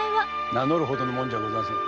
名乗るほどの者じゃございません。